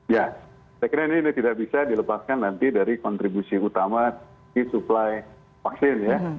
ya saya kira ini tidak bisa dilepaskan nanti dari kontribusi utama di suplai vaksin ya